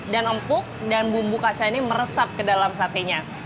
dan empuk dan bumbu kacang ini meresap ke dalam satenya